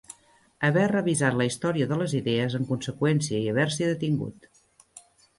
Haver revisat la història de les idees en conseqüència i haver-s'hi detingut.